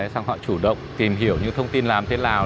xong họ chủ động tìm hiểu những thông tin làm thế nào